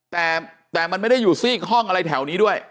แต่มันไม่ได้อยู่ซีกห้องอะไรแถวนี้ด้วย